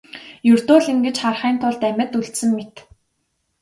Ердөө л ингэж харахын тулд амьд үлдсэн мэт.